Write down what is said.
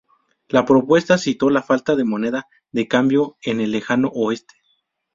La propuesta citó la falta de moneda de cambio en el lejano oeste.